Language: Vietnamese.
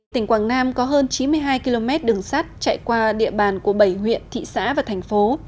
tỉnh quảng nam có hơn chín mươi hai km đường sắt chạy qua địa bàn của bảy huyện thị xã và thành phố